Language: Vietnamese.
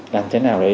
làm thế nào đấy